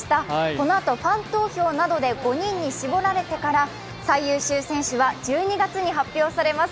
このあとファン投票などで５人に絞られてから、最優秀選手は１２月に発表されます。